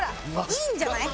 いいんじゃない？